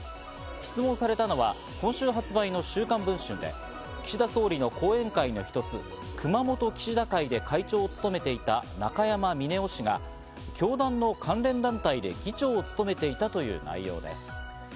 質問されたのは今週発売の『週刊文春』で、岸田総理の後援会の一つ、熊本岸田会で会長を務めていた中山峰男氏が教団の関連団体で議長を務めていたという内容です。